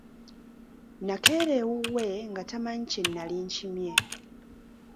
Nnakeera ewuwe nga tamanyi kye nali nkimye.